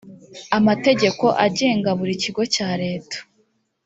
amategeko agenga buri kigo cya leta.